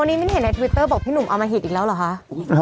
วันนี้มินเห็นในทวิตเตอร์บอกพี่หนุ่มเอามาหิตอีกแล้วเหรอคะ